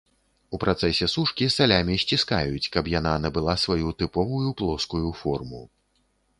У працэсе сушкі, салямі сціскаюць, каб яна набыла сваю тыповую плоскую форму.